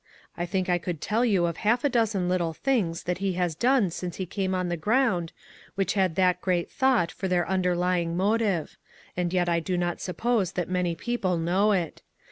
I think I could tell you of half a dozen little things that he has done since he came on the ground which had that great thought for their underlying motive ; and yet I do not suppose that many people know it.